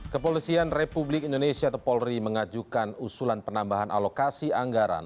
kepolisian republik indonesia atau polri mengajukan usulan penambahan alokasi anggaran